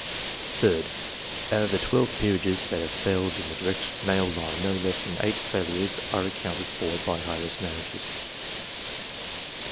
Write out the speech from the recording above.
3d. Out of the twelve peerages that have failed in the direct male line, no less than eight failures are accounted for by heiress marriages.